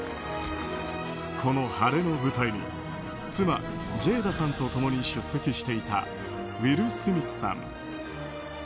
この晴れの舞台に妻ジェイダさんと共に出席していたウィル・スミスさん。